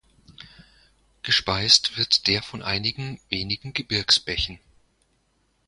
Gespeist wird der von einigen wenigen Gebirgsbächen.